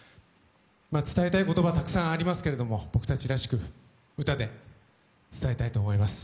伝えたい言葉、たくさんありますけれど、僕たちらしく歌で伝えたいと思います。